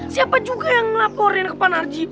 siapa juga yang ngelaporin ke panarji